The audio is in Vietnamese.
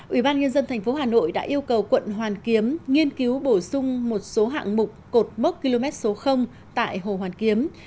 ủy ban nhân dân tp hà nội đã yêu cầu quận hoàn kiếm nghiên cứu bổ sung một số hạng mục cột mốc km số tại hồ hoàn kiếm